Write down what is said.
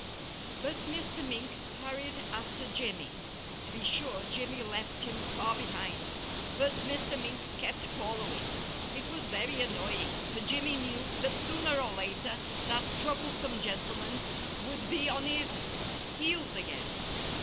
But Mr. Mink hurried after Jimmy. To be sure, Jimmy left him far behind. But Mr. Mink kept following. It was very annoying, for Jimmy knew that sooner or later that troublesome gentleman would be on his heels again.